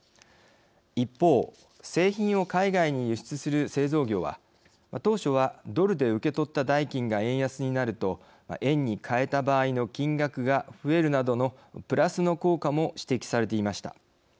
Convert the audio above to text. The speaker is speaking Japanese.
一方製品を海外に輸出する製造業は当初はドルで受け取った代金が円安になると円に替えた場合の金額が増えるなどのプラスの効果も指摘されていました。